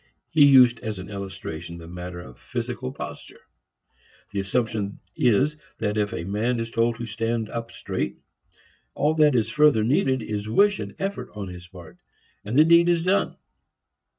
He used as an illustration the matter of physical posture; the assumption is that if a man is told to stand up straight, all that is further needed is wish and effort on his part, and the deed is done.